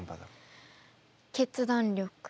決断力。